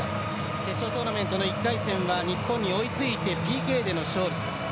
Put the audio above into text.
決勝トーナメントの１回戦は日本に追いついてＰＫでの勝利。